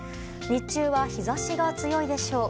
日中は日差しが強いでしょう。